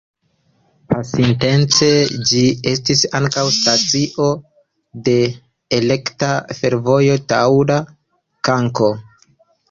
Pasintece ĝi estis ankaŭ stacio de Elektra Fervojo Toŭada-Kanko.